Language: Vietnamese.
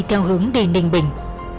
theo hướng đền đình bình